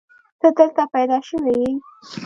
ته دلته پيدا شوې يې.